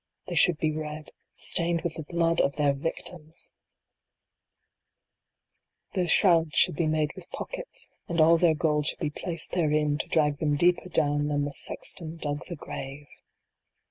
They should be red stained with the blood of their victims ! Their shrouds should be make with pockets ; and all their gold should b^. placed therein, to drag them deeper down than the sexton dug the grave